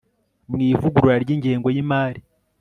mu ivugurura ry ingengo y imari